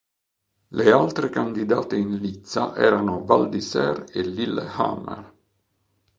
Le altre candidate in lizza erano Val d'Isère e Lillehammer.